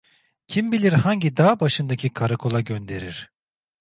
Kim bilir hangi dağ başındaki karakola gönderir.